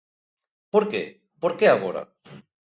Por que?, por que agora?